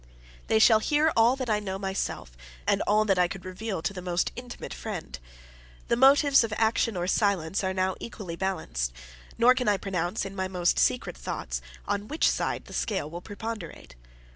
They shall hear all that I know myself, and all that I could reveal to the most intimate friend. The motives of action or silence are now equally balanced; nor can I pronounce, in my most secret thoughts, on which side the scale will preponderate.